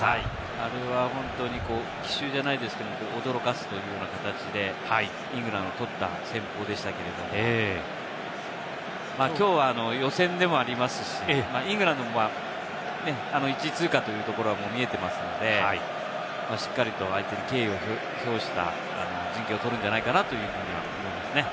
あれは本当に奇襲じゃないですけれども、驚かすという形で、イングランドはとった戦法でしたけれども、きょうは予選でもありますし、イングランドも１位通過というところは見えていますので、しっかりと相手に敬意を表した陣形を取るんじゃないかなと思います。